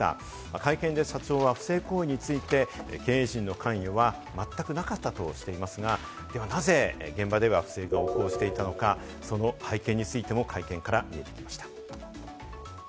会見で社長は不正行為について、経営陣の関与はまったくなかったとしていますが、ではなぜ現場では不正が横行していたのか、その背景についても会見から見えてきました。